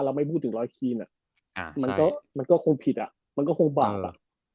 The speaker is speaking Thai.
เราไม่พูดถึงรอยคีนอ่ะอ่ามันก็มันก็คงผิดอ่ะมันก็คงบาปอ่ะ